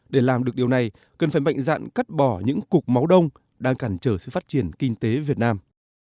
để làm được điều này cần phải mạnh dạn cắt bỏ những cục máu đông đang cản trở sự phát triển kinh tế việt nam